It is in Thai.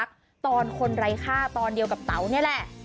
ตอนคนไร้ค่าตอนเดียวกับเต๋านี่แหละ